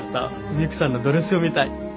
ミユキさんのドレスを見たい。